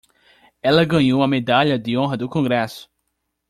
Ela ganhou a Medalha de Honra do Congresso!